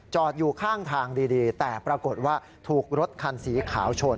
อยู่ข้างทางดีแต่ปรากฏว่าถูกรถคันสีขาวชน